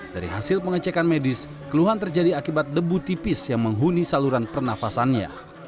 dari hasil pengecekan medis keluhan terjadi akibat debu tipis yang menghuni saluran pernafasannya